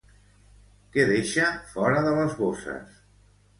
Què deixa fora de les bosses?